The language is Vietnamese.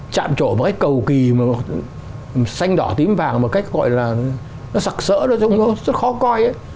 trạm trổ một cái cầu kỳ mà xanh đỏ tím vàng một cách gọi là nó sặc sỡ nó rất khó coi